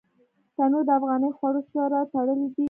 تنور د افغاني خوړو سره تړلی دی